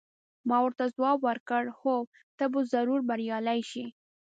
ما ورته ځواب ورکړ: هو، ته به ضرور بریالۍ شې.